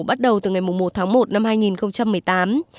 bắt đầu từ ngày một tháng một năm hai nghìn một mươi tám